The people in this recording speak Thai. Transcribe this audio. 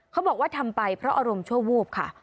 เขาบอกว่าทำไปเพราะอารมณ์ชั่ววูบค่ะ